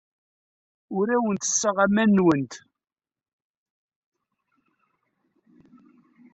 Ur awent-ttesseɣ aman-nwent.